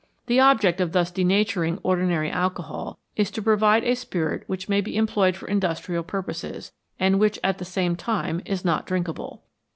The object of thus "denaturing" ordinary alcohol is to provide a spirit which may be employed for industrial purposes, and which, at the same time, is not drinkable.